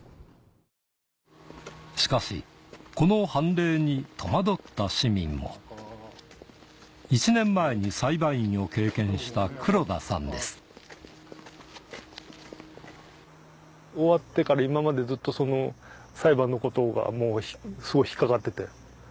しかしこの判例に戸惑った市民も１年前に裁判員を経験した黒田さんです終わってから今までずっと裁判のことがすごい引っ掛かってて。